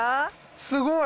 すごい！